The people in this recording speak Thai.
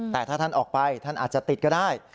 แต่ถ้าท่านออกไปท่านอาจจะติดก็ได้